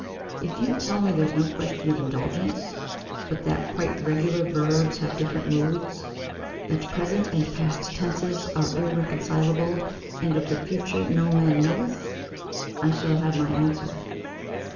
If you tell me there is no question of indulgence, but that quite regular verbs have different moods, that present and past tenses are irreconcilable, and, of the future, no man knoweth I shall have my answer.